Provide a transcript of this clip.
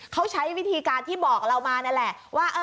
เขาใช้วิธีการที่บอกเรามานั่นแหละว่า